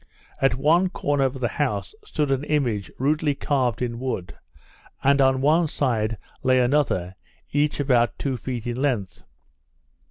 At one corner of the house stood an image rudely carved in wood, and on one side lay another; each about two feet in length.